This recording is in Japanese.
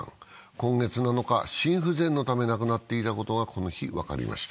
今月７日、心不全のため亡くなっていたことが、この日分かりました。